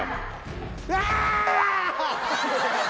うわ。